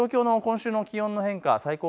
東京の今週の気温の変化